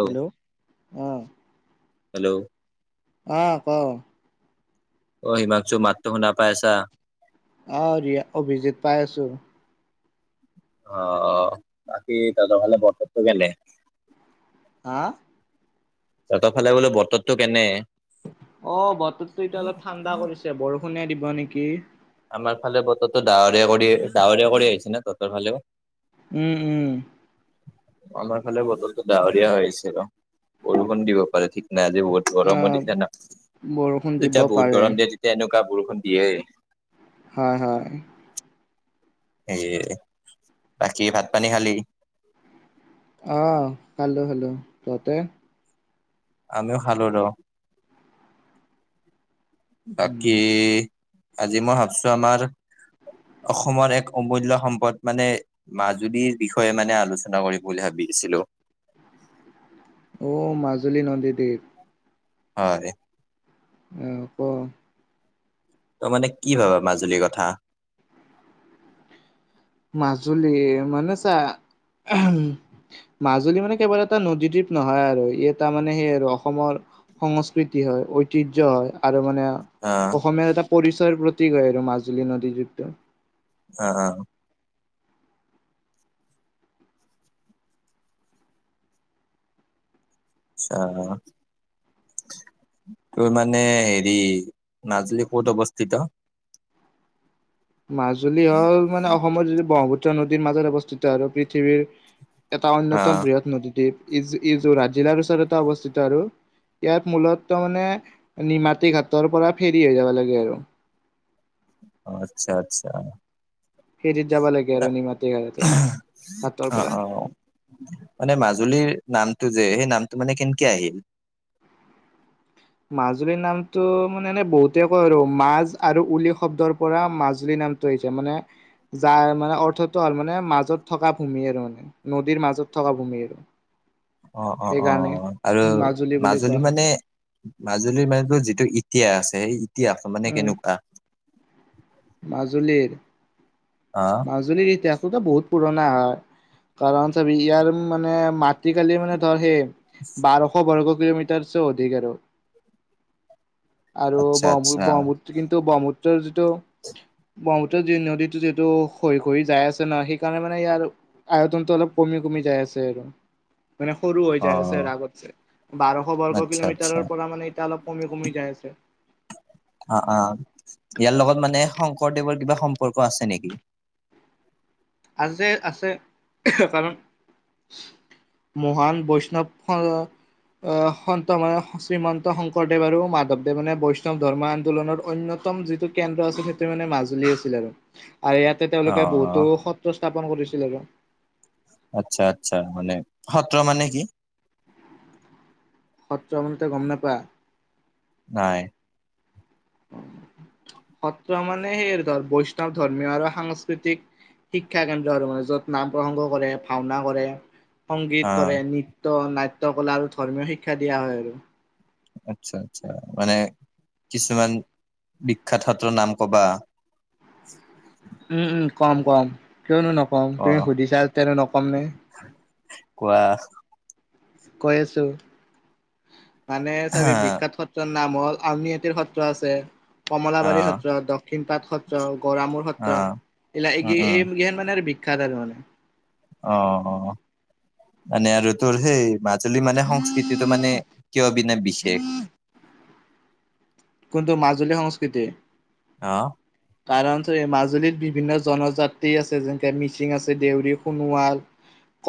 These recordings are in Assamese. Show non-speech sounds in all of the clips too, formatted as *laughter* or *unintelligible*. হেল্ল'! আহ হেল্ল' আহ ক অ হিমাংশু মাতটো শুনা পাই আছা? অ ৰিয়া, অভিজিত পাই আছোঁ। অ বাকী তহঁতৰ ফালে বতৰটো কেনে? হা! তহঁতৰফালে বোলো বতৰটো কেনে? অ বতৰটো এতিয়া অলপ ঠাণ্ডা কৰিছে বৰষুণে দিব নেকি? আমাৰফালে বতৰটো ডাৱৰীয়া কৰি ডাৱৰীয়া কৰি আহিছে ন তহ‍ঁতৰ ফালেও? *unintelligible* উম-উম আমাৰফালে বতৰটো ডাৱৰীয়া হৈছিল বৰষুণ দিব পাৰে ঠিক নাই আজি বহুত গৰমো আহ দিছে ন বৰষুণ *inaudible* দিব যেতিয়া বহুত পাৰে গৰম দিয়ে তেতিয়া এনেকা *unintelligible* বৰষুণ দিয়ে। হয়-হয়। এ বাকী *inaudible* ভাত-পানী খালি? আহ খালো-খালো। তহঁতে? আমিও খালো ৰ *unintelligible* বাকী আজি মই ভাবিছো আমাৰ *inaudible* অসমৰ এক অমূল্য সম্পদ মানে মাজুলীৰ বিষয়ে মানে আলোচনা কৰিম বুলি ভাবি ছিলো। অ মাজুলী নদীদ্বীপ। হয় *inaudible* অঁ ক। ত‌ই মানে কি ভাবা মাজুলীৰ কথা? মাজুলী মানে ছা *unintelligible* উম মাজুলী মানে কেৱল এটা নদীদ্বীপ নহয় আৰু। ই এটা মানে সেই আৰু অসমৰ সংস্কৃতি হয়, ঐতিহ্য হয় আৰু মানে আহ অসমীয়াৰ এটা পৰিচয়ৰ প্ৰতীক হয় আৰু মাজুলী নদীদ্বীপটো। অ *unintelligible* আহ *unintelligible* তোৰ মানে হেৰি নাজুলী ক'ত অৱস্থিত? মাজুলী হ'ল মানে অসমৰ যদি ব্ৰহ্মপুত্ৰ নদীৰ মাজত অৱস্থিত আৰু পৃথিৱীৰ এটা অন্যতম আহ বৃহৎ নদীদ্বীপ ই *unintelligible* ই ই যোৰহাত জিলাৰ ওচৰতে অৱস্থিত আৰু। ইয়াত মূলত মানে নিমাতীঘাটৰ পৰা ফেৰী হৈ যাব লাগে আৰু। আচ্ছা-আচ্ছা। ফেৰীত যাব লাগে আৰু নিমাতী ঘ হাতৰ অ পৰা। অ *inaudible* মানে মাজুলীৰ নামটো যে সেই নামটো মানে কেনকে আহিল? মাজুলীৰ নামটো মানে এনে বহুতে কয় আৰু মাজ আৰু উলী শব্দৰ পৰা মাজুলী নাম নামটো আহিছে মানে *inaudible* যাৰ মানে অৰ্থটো হ'ল মানে মাজত থকা ভূমি আৰু মানে নদীৰ মাজত থকা ভূমি আৰু। অ অ অ সেইকাৰণে আৰু বুলি কোৱা মাজুলী হয় মানে মাজুলীৰ মানে যিটো ইতিহাস আছে সেই ইতিহাস মানে উম কেনেকুৱা? মাজুলীৰ অ মাজুলীৰ ইতিহাসতো বহুত পুৰণা হয়। কাৰণ চবি ইয়াৰ মানে মাটিকালি মানে ধৰা সেই বাৰশ বৰ্গ কিলোমিটাৰছে অধিক আৰু। আৰু আচ্ছা ব্ৰহ্ম আচ্ছা ব্ৰহ্মপুত্ৰ কিন্তু ব্ৰহ্মপুত্ৰ ৰ যিটো ব্ৰহ্মপুত্ৰৰ যি নদীতটো যিটো খহি খহি যাই আছে ন, সেইকাৰণে মানে ইয়াৰ আয়তনটো অলপ কমি কমি যাই আছে আৰু। মানে সৰু হৈ অ যায় আছে আগতছে। বাৰশ বৰ্গ আচ্ছা আচ্ছা কিলোমিটাৰৰ পৰা মানে এতিয়া অলপ কমি কমি যায় আছে। *inaudible* অ অ ইয়াৰ লগত মানে শংকৰদেৱৰ কিবা সম্পৰ্ক আছে নেকি? *inaudible* আছে আছে কাৰণ *inaudible* মহান বৈষ্ণৱ অহ সন্ত মানে শ্ৰীমন্ত শংকৰদেৱ আৰু মাধৱদেৱ মানে বৈষ্ণৱ ধৰ্ম আন্দোলনৰ অন্য উত্তম যিটো কেন্দ্ৰ আছিল সেইটোৱে মানে মাজুলী আছিল আৰু। আৰু ইয়াতে অ তেওঁলোকে বহুতো সত্ৰ স্থাপন কৰিছিল আৰু। আচ্ছা আচ্ছা মানে সত্ৰ মানে কি? সত্ৰ মানে তই গম নেপা? নাই। *inaudible* সত্ৰ মানে সেই ধৰ বৈষ্ণৱ ধৰ্মীয় আৰু সাংস্কৃতিক শিক্ষা কেন্দ্ৰ আৰু মানে য'ত নাম প্ৰসংগ কৰে, ভাওনা কৰে। অ সংগীত কৰে, নৃত্য, নাট্য কলা আৰু ধৰ্মীয় শিক্ষা দিয়া হয় আৰু। আচ্ছা আচ্ছা মানে কিছুমান বিখ্যাত সত্ৰৰ নাম ক'বা? উম উম কম কম কিয়নো নকম? অ তুমি সুধিছা যেতিয়া কিয়নো নক কোৱা। কৈ আছোঁ মানে চাবি বিখ্যাত সত্ৰ নাম হ'ল আওনিআটিৰ সত্ৰ আছে অ কমলাবাৰী সত্ৰ, দক্ষিণ পাট সত্ৰ, গড়ামূৰ অ সত্ৰ এইগিলা উম এই উম এইগেন মানে শ খাদাৰ মানে অ অ ঋতুুৰ সেই মাত *inaudible* আজ মানে সংস্কৃতিটো মানে কিয় বিনে বিশেষ কিন্তু মাজুলী সংস্কৃতি আহ কাৰণ মাজুলীত বিভিন্ন জনজাতি আছে যেনেকে মিচিং আছে দেউৰী, সোণোৱাল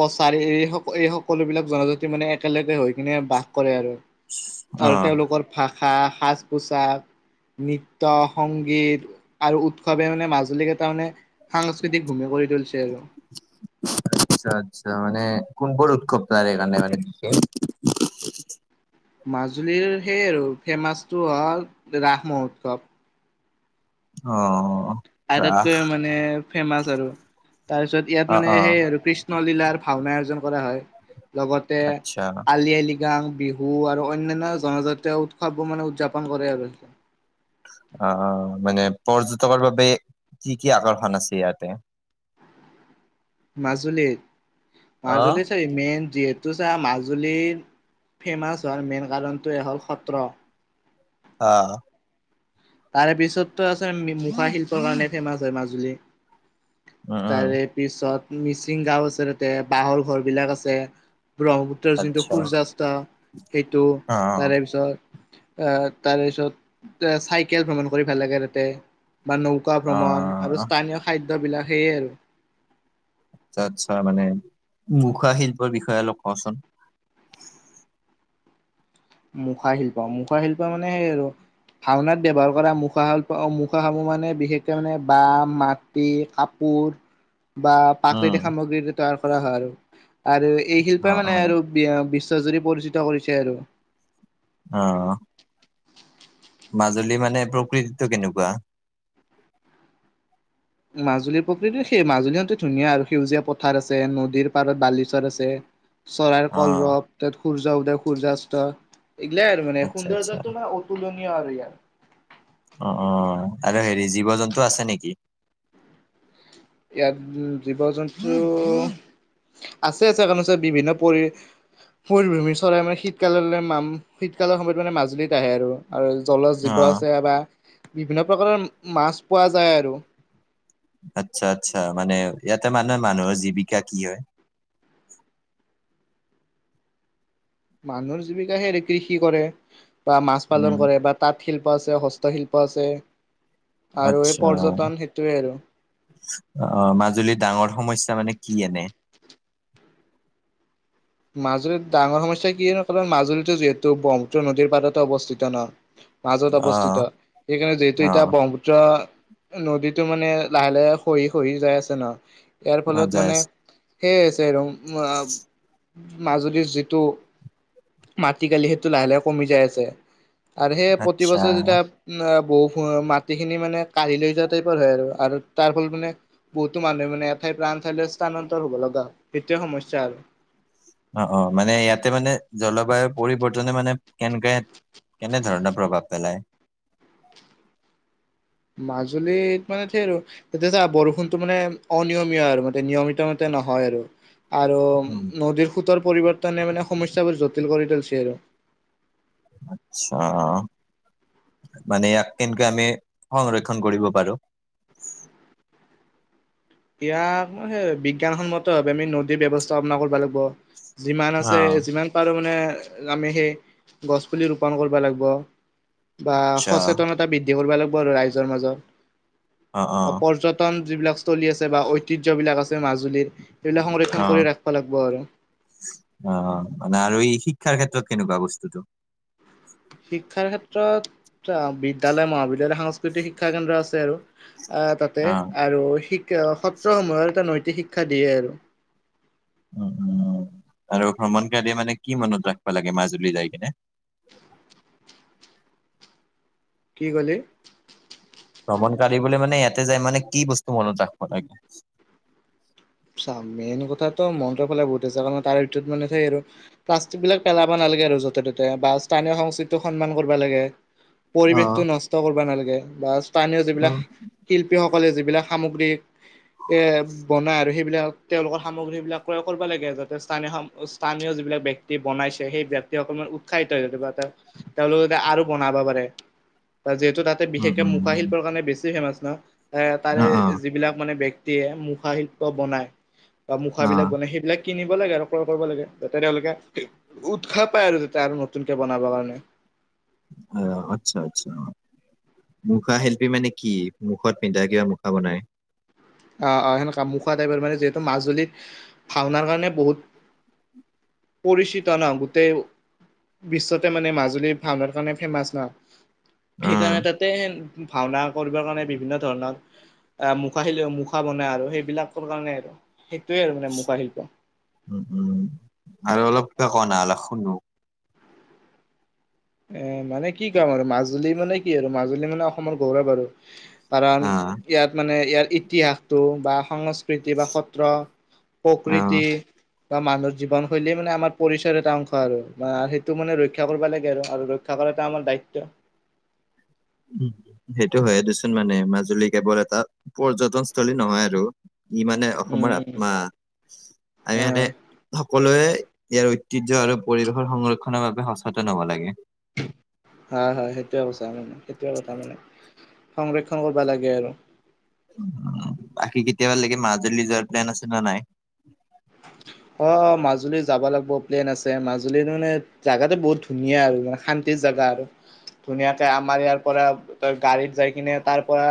কছাৰী এই সকল এই সকলো বিলাক জনজাতি মানে একেলগে হৈ কিনে বাস কৰে আৰু অ আৰু তেওঁলোকৰ ভাষা সাজ পোছাক, নৃত্য, সংগীত আৰু উৎসৱে মানে মাজুলীকে মানে সাংস্কৃতিক ঘূমি কৰি তুলছে আৰু আচ্ছা আচ্ছা মানে কোনবোৰ উৎসৱ তাৰ এইকানে মানে মাজুলীৰ সেই আৰু ফেমাচটো হ'ল ৰাস মহোৎসৱ। অ ৰাস আটাইতকৈ মানে ফেমাচ আৰু তাৰ পিছত ইয়াত অ মানে অ সেই আৰু কৃষ্ণলীলাৰ ভাওনা আয়োজন কৰা হয় লগতে আচ্ছা আলি আই লৃগাং বিহু আৰু অন্যান্য জনজাতীয় উৎসবৱোৰ মানে উদযাপন কৰে আৰু আহ মানে পৰ্যটকৰ বাবে কি কি আকৰ্ষণ আছে ইয়াতে মাজুলীত অ মাজুলীত চ মেইন যিহেতু চা মাজুলীৰ ফেমাছ হোৱাৰ মেইন কাৰণটোৱে হ'ল সত্ৰ। অ তাৰে পিছতো আছে মুখা শিল্পৰ কাৰণে ফেমাচ হয় মাজুলী। উম উম তাৰে পিছত মিচিং গাও আছে ততে বাঁহৰ ঘৰ বিলাক আছে। ব্ৰহ্মপুত্ৰৰ যোনটো আচ্ছা সূৰ্যয়াস্ত সেইটো অ অ তাৰে পিছত আহ তাৰপিছত এ চাইকেল ভ্ৰমণ কৰি ভাল লাগে ততে বা নৌকা ভ্ৰমণ আৰু অ', স্থানীয় খাদ্যবিলাক সেয়ে আৰু আচ্ছা আচ্ছা মানে মুখা শিল্পৰ বিষয়ে অলপ কওঁচোন মুখা শিল্প মুখা শিল্প মানে সেই আৰু ভাওনাত ব্যয়ৱহাৰ কৰা মুখা শ মুখাাসূহ মানে বিশেষকে মানে বাহ মাটি কাপোৰ অৰ বা উম, প্ৰাকৃতিক সামগ্ৰী তৈয়াৰ কৰা হয় আৰু আৰু এই শিল্পই অ', মানে অ', আৰু চাৰ্জাৰী পৰিচিত কৰিছে আৰু অ মাজুলী মানে প্ৰকৃতিতটো কেনেকুৱা মাজুলীৰ প্ৰকৃতি সেই মাজুলীহতে ধুনীয়া আৰু সেউজীয়া পথাৰ আছে নদীৰ পাৰত বালিচৰ আছে চৰা কল অ', ৰপ তোত খুৰ্জা উদক খুৰ্জা আ। এইগিলা আৰু মানে আচ্ছা আচ্ছা সুন্দৰ্যাত ন অতুলনীয় আৰু ইয়াৰ অ অ আৰু হেৰি জীৱ জন্তু আছে নেকি ইয়াত উ জীৱ জন্তু আছে আছে কাৰণ চাৰ বিভিন্ন পৰি মৰভূমি চৰাই মানে শীতকাললৈ শীতকালৰ সময়ত মানে মাজুলীত আহে আৰু আৰু জল যীৱ্য অ', আছে বা বিভিন্ন প্ৰকাৰৰ মাছ পোৱা যায় আৰু আচ্ছা আচ্ছা মানে ইয়াতে মানহৰ মানুহৰ জীৱিকা কি হয় *inaudible* মানুহৰ জীৱিকা হেৰি কৃষি কৰে বা মাছ উম, পালন কৰে বা তাত তাত শিল্প আছে হস্তশিল্প আছে আৰু এই পৰ্যটন সেইটোৱে আৰু আহ মাজুলীৰ ডাঙৰ সমস্যা মানে কি এনে মাজুলীত ডাঙৰ সমস্যা কি কাৰ মাজুলীতো যিহেতু ব্ৰহ্মপু্ৰ নদীৰ পাততেো অৱস্থিত নহয় মাজত অ', অৱস্থিত সেইকাৰণে যিহেতু এতিয়া অ', ব্ৰহ্মপুত্ৰ। নদীতো মানে লাহে লাহে খহি খহি যাই আছে ন ইয়াৰ অ', ফলত মানে জাষ্ট সেইছ ৰ মাজুলীৰ যিটো মাটিিকালি সেইটো লাহে লাহে কমি যায় আছে আৰু সেই আচ্ছা প্ৰতিবছৰে যেতিয়া বু মাটিখিনি মানে কাঢ়ি লৈ যোৱা টাইপৰ হয় আৰু তাৰ ফলত মানে বহুতো মানুহে মানে এ প্ৰাণ থাইল স্থানান্তৰ হব লগা সেইটোৱে সমস্যা আৰু অ অ মানে ইয়াতে মানে জলবায়ু। পৰিৱৰ্তনে মানে কেনেকে কেনে ধৰণৰ প্ৰভাৱ পেলায়। *inaudible* মাজুলীত মানে এইটো আৰু তেতিয়াা বৰষুণতটো মানে অনিয়মীয়া আৰু মে নিয়মিত মতে নহয়। ৰ *unintelligible* আৰু নদীৰ সোতৰ পৰিৱৰ্তনে মানে সমস্যাবোৰ জটিল কৰি তুলিছে আৰু আচ্ছা মানে ইয়াক কেন্তকে আমি সংৰক্ষণ কৰিব পাৰো। ইয়াক ম বিজ্ঞানসন্মত ভ আমি নদীৰ ব্য্ৱস্থাাপনা কৰিব লাগিব। যিমান আছে অ'। যিমান পাৰো মানে আমি সেই গছ পুলি ৰোপন কৰিব লাগিব। বা আচ্ছা সচেতনতা বৃদ্ধি কৰিব লাগিব আৰু ৰাইজৰ মাজত অ', বা অ', পৰ্যটন যিবিলাক স্থলী আছে বা ঐতিহ্য বিলাক আছে মাজুলীৰ সেইবিলাক সংৰক্ষণ অ কৰি ৰাখিব লাগিব আৰু। অ মানে আৰু এই শিক শিক্ষাৰ ক্ষেত্ৰত কেনেকোৱা বস্তুটো শিক্ষাৰ ক্ষেত্ৰত বিদ্যালয় মহাবিদ্যালয় সাংস্কৃতিক শিক্ষা কেন্দ্ৰ আছে আৰু আহ তাতে অ', আৰু শিকা সত্ৰসমূহৰ এটা নৈতিক শিক্ষা দিয়ে আৰু উম উম আৰু ভ্ৰমণ কালি মানে কি মনত ৰাখিবা লাগে মাজুলী যাই কিনে *unintelligible* কি কলি ভ্ৰমণ কৰিবলৈ মানে ইয়াতে যাই মানে কি বস্তু মনত ৰাখব লাগে চ মেইন কথাটো মন্ৰৰ ফালে বহুত আছে কাৰণ তাৰ ভিতৰত মানে চেই আৰু প্লাষ্টিক বিলাক পেলাব নালাগে নালাগে আৰু যতে ত'তে বা স্থানীয় সংস্কৃতিক সন্মান কৰিব লাগে অ', পৰিৱেশতটো নষ্ট কৰিব নালাগে বা স্থানীয় যিবিলাক উম। শিল্পীসকল সকলে যিবিলাক সামগ্ৰী এ বনায় আৰু সেই বিলাক তেওঁলোকৰ সামগ্ৰীবিলাক ক্ৰয় কৰিব লাগে যাতে স্থানীয় স্থানীয় যিবিলাক ব্যক্তি বনাইছে সেই অকমান উৎসাহিত হৈ য বা তেওঁলোকে যাতে আৰু বনাব পাৰে ত য তাতে উম, বিশেষকে উম, মুখা শিল্পৰ উম, কাৰণে বেছি ফেমাছ ন তাৰে অ', অ'। যিবিলাক মানে মুখা শিল্প বনাই বা মুখাাবিলাক অ', বনাই সেইবিলাক কিনিব লাগে আৰু ক্ৰয় কৰিব লাগে যাতে তেওঁলোকে উৎসাহ পায় আৰু যাতে আৰু নতুনকে বনাব কাৰণে অহ আচ্ছা আচ্ছা মুখা শিল্পী মানে কি মুখত পিন্ধা কিবা মুখা বনাই। আহ সেনেকা মুখা টাইপ মানে যিহেতু মাজুলী ভাওনাৰ কাৰণে বহুত *unintelligible* পৰিচিত ন গোটেই বিশ্বতে মানে মাজুলী ভাওনাৰ কাৰণে ফেমাচ নহ অ', সেইকাৰণে তাতে ভাওনা কৰিবৰ কাৰণে বিভিন্ন ধৰণৰ আহ মুখা খিলি মুখা বনাই আৰু সেইবিলাকৰ কাৰণে আৰু সেইটোৱে আৰু মানে মুখাৰ শিল্প উম, উম, আৰু অলপ কিবা ক না অলপ শুনো ্ এ মানে কি কাম আৰু মাজুলী মানে কি আৰু মাজুলী মানে অসমৰ গৌৰৱ আৰু কাৰণ অ', ইয়াত মানে ইয়াৰ ইতিহাসটো বা সংস্কৃ কৃতি বা সত্ৰ অ'। প্ৰকৃতি বা মানুহৰ জীৱনশৈলী মানে আমাৰ পৰিচয়ৰ এটা অংশ আৰু সেইটো মানে ৰক্ষা কৰিব লাগে আৰু আৰু ৰক্ষা কৰাতটা আমাৰ দায়ত্ব উম সেইটো হয়ে দেচোন মানে মাজুলী কেৱল এটা পৰ্যটনস্থথলী নহয় আৰু ই মানে অসমৰ উম আত্মা আমি সতে উম, সকলোৱে ইয়াৰ ঐতিহ্য আৰু পৰিৱেশৰ সংৰক্ষণৰ বাবে সচেতন হব লাগে। হয় -হয় সেইটোৱে কথা মানে -সেইটোৱে কথা মানে। সংৰক্ষণ কৰবা লাগে আৰু বাকী কেতিয়াবাৰ লাগি মাজুলী যোৱাৰ প্লেন আছে নে নাই? অহ, মাজুলী যাবা লাগব প্লেন আছে মাজুলী মানে জাগাটো বহুত ধুনীয়া আৰু মানে শান্তিৰ জেগা আৰু ধুনীয়াকে আমাৰ ইয়াৰ পৰা তই গাড়ীত যাই কিনে তাৰ পৰা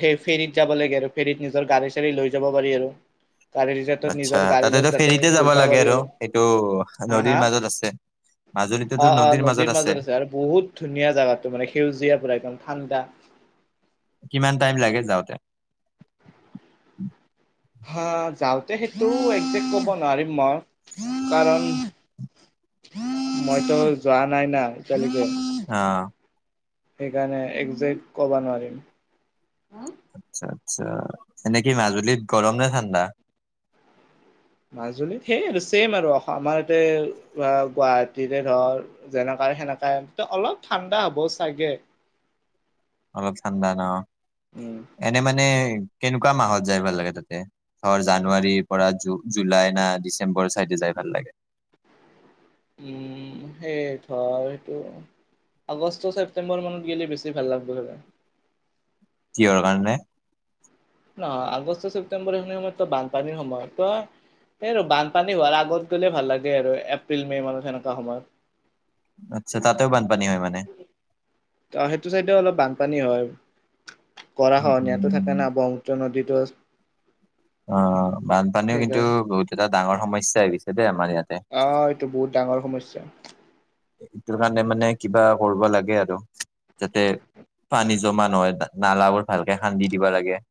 সেই ফেৰীত যাব লাগে আৰু ফেৰীত নিজৰ গাড়ী -চাড়ী লৈ যাব পাৰি আৰু গাড়ী *unintelligible* আচ্ছা নিজৰ গাড়ী লৈ তাতেতো তাতে ফেৰিতে যাব ঘূৰবা লাগে পাৰি আৰু সেইটো নদীৰ মাজত আছে। অহ - অহ নদীৰ মাজত আছে আৰু বহুত ধুনীয়া জাগাটো মানে সেউজীয়া পোৰা একদম ঠা ঠাণ্ডা। কিমান টাইম লাগে যাওঁতে? *inaudible* হা, যাওঁতে সেইটো একজেক কব নোৱাৰিম মই কাৰণ *inaudible* মইতো যোৱা নাই না এতিয়ালৈকে। আ সেইকাৰণে একজেক্ট কবা নোৱাৰিম। আচ্ছা- আচ্ছা এনে কি মাজুলীত গৰম নে ঠাণ্ডা? মাজুলীত সেই আৰু ছেম আৰু আমাৰ ইতে গুৱাহাটীতে ধৰ যেনেকা সেনেকাই অলপ ঠাণ্ডা হ'ব চাগে *inaudible* অলপ ঠাণ্ডা ন' উম এনে মানে কেনেকুৱা মাহত যাই ভাল লাগে তাতে ধৰ জানুৱাৰীৰ পৰা জুলাই না ডিচেম্বৰ চাইডে যাই ভাল লাগে উম, সেই ধৰ সেইটো আগষ্ট, ছেপ্টেম্বৰ মানত গেলে বেছি ভাল লাগব চাবা কিহৰ কাৰণে? নহয় আগষ্ট, ছেপ্তেম্বৰ এইখিনি সময়তটো বানপানীৰ সময় ত' এই আৰু বানপানী হোৱাৰ আগত গ'লে ভাল লাগে আৰু এপ্ৰিল, মে' মানত সেনেকুৱা সময়ত। আচ্ছা তাতেও বানপানী হয় মানে? ত' সেইটো চাইডেও অলপ বানপানী হয় গৰা খহনীয়াতো থাকে না ব্ৰহ্মুপুত্ৰ নদীত। দচ অ', বানপানীও কিন্তু বহুত এটা ডাঙৰ সমস্যা আহিছে দেই আমাৰ ইয়াত। অহ, এইটো বহুত ডাঙৰ সমস্যা। ইটো কাৰণে মানে কিবা কৰব লাগে আৰু যাতে পানী জমা নহয় নালাবোৰ ভালকে খান্দি দিবা লাগে।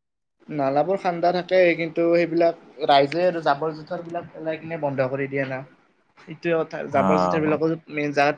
নালাবোৰ খান্দা থাকে কিন্তু সেইবিলাক ৰাইজ জাবৰ -জোথৰ বিলাক পেলাই কিনে বন্ধ কৰি দিয়ে না। এইটোৱে কথা জাবৰ- জোথৰ অ' বিলাকো *unintelligible*